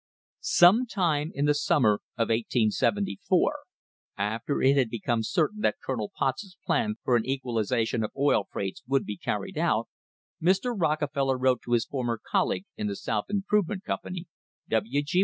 "+ Some time in the summer of 1874, after it had become cer tain that Colonel Potts's plan for an equalisation of oil freights would be carried out, Mr. Rockefeller wrote to his former colleague in the South Improvement Company, W. G.